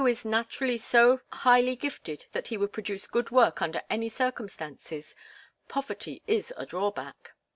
] is naturally so highly gifted that he would produce good work under any circumstances, poverty is a drawback."